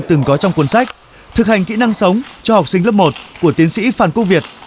từng có trong cuốn sách thực hành kỹ năng sống cho học sinh lớp một của tiến sĩ phan quốc việt